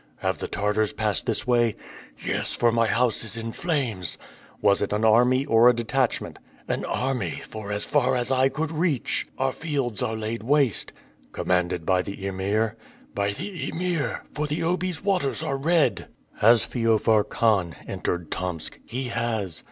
"Have the Tartars passed this way?" "Yes, for my house is in flames." "Was it an army or a detachment?" "An army, for, as far as eye can reach, our fields are laid waste." "Commanded by the Emir?" "By the Emir; for the Obi's waters are red." "Has Feofar Khan entered Tomsk?" "He has."